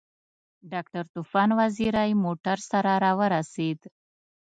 ډاکټر طوفان وزیری موټر سره راورسېد.